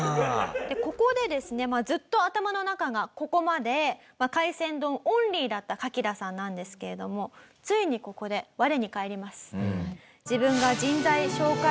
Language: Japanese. ここでですねずっと頭の中がここまで海鮮丼オンリーだったカキダさんなんですけれどもついにここでここで！？